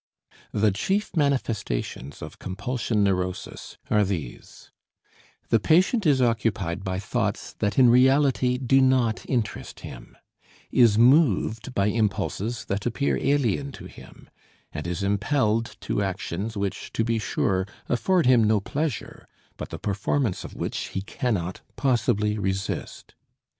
The chief manifestations of compulsion neurosis are these: the patient is occupied by thoughts that in reality do not interest him, is moved by impulses that appear alien to him, and is impelled to actions which, to be sure, afford him no pleasure, but the performance of which he cannot possibly resist.